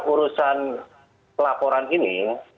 urusan pelaporan ini